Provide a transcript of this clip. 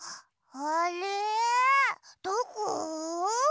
あれどこ？